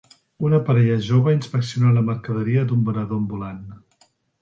Una parella jove inspecciona la mercaderia d'un venedor ambulant.